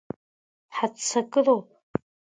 Ҳаццакыроуп!